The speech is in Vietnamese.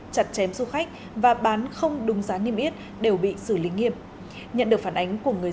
chặt chém du khách và bán không đúng giá niêm yết đều bị xử lý nghiêm nhận được phản ánh của người